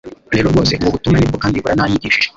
rero rwose ububutumwa nibwo kandi burananyigishije